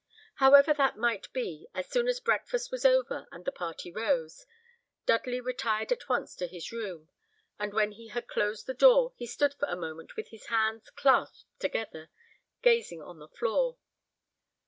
However that might be, as soon as breakfast was over, and the party rose, Dudley retired at once to his room, and when he had closed the door, he stood for a moment with his hands clasped together, gazing on the floor.